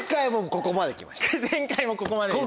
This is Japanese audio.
ここまででした。